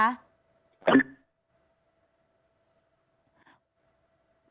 คุณประทีพ